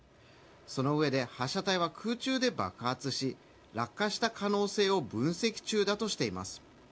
そのうえで発射体は空中で爆発し落下した可能性を分析中だとしています。